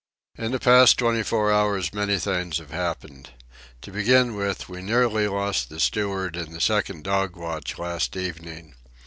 In the past twenty four hours many things have happened. To begin with, we nearly lost the steward in the second dog watch last evening.